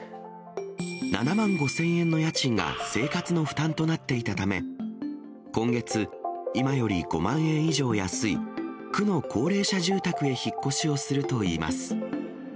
７万５０００円の家賃が生活の負担となっていたため、今月、今より５万円以上安い区の高齢者住宅へ引っ越しをするといいます。